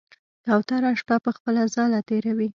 کوتره شپه په خپل ځاله تېروي.